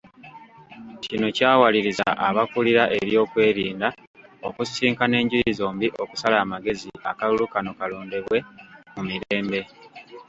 Kino kyawaliriza abakulira eby'okwerinda okusisinkana enjuyi zombi okusala amagezi akalulu kano kalondebwe mu mirembe.